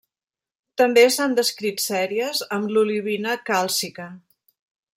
També s'han descrit sèries amb l'olivina càlcica.